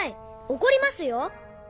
怒りますよ！